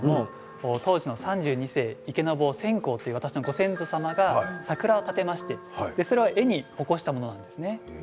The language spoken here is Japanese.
当時の三十二世池坊専好という、私のご先祖様が桜を生けましてそれを絵に起こしたものです。